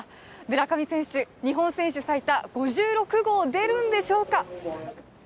村上選手、日本選手最多５６号、出るんでしょうか？